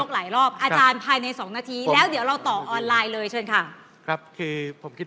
คือเหลือแค่๒นาทีในตัวทีวี